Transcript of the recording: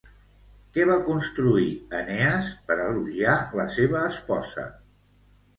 Què va construir, Enees, per elogiar la seva esposa?